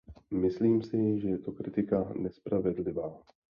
Myslím si, že je to kritika nespravedlivá.